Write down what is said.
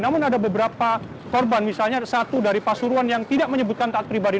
namun ada beberapa korban misalnya satu dari pasuruan yang tidak menyebutkan taat pribadi